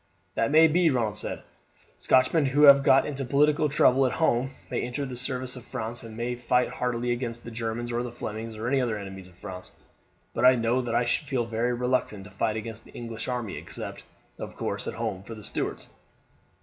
"That may be," Ronald said. "Scotchmen who have got into political trouble at home may enter the service of France, and may fight heartily against the Germans or the Flemings, or other enemies of France; but I know that I should feel very reluctant to fight against the English army, except, of course, at home for the Stuarts."